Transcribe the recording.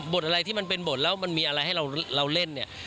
อะไรที่มันเป็นบทแล้วมันมีอะไรให้เราเล่นเนี่ย